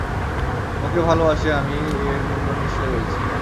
ওকে ভালোবাসি আমি, এর মূল্য নিশ্চয়ই রয়েছে!